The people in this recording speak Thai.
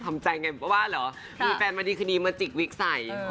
มีแฟนมาดีคดีมาจิกวิกใส่